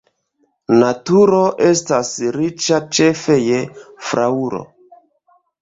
Naturo estas riĉa ĉefe je flaŭro.